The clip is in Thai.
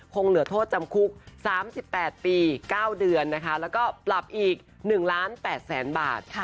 คงเหลือโทษจำคุก๓๘ปี๙เดือนนะคะแล้วก็ปรับอีก๑ล้าน๘แสนบาท